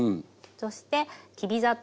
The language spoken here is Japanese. そしてきび砂糖。